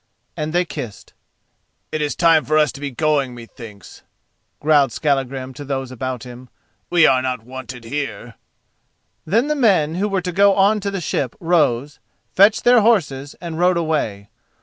and they kissed. "It is time for us to be going, methinks," growled Skallagrim to those about him. "We are not wanted here." Then the men who were to go on to the ship rose, fetched their horses, and rode away.